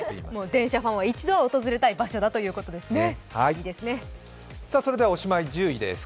電車ファンは一度は訪れたい場所ということですね。